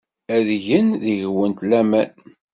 Ad gen deg-went laman.